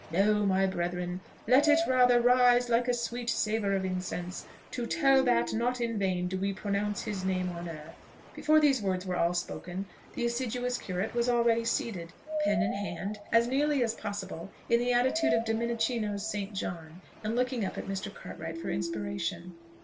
No, my brethren; let it rather rise like a sweet savour of incense, to tell that not in vain do we pronounce His name on earth!" Before these words were all spoken, the assiduous curate was already seated, pen in hand, as nearly as possible in the attitude of Dominichino's St. John, and looking up to Mr. Cartwright for inspiration.